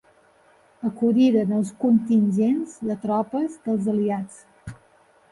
Acudiren els contingents de tropes dels aliats.